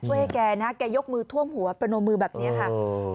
ให้แกนะแกยกมือท่วมหัวประนมมือแบบนี้ค่ะ